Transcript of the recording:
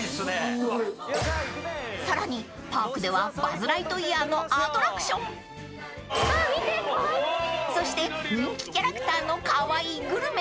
［さらにパークではバズ・ライトイヤーのアトラクションそして人気キャラクターのカワイイグルメもご紹介します］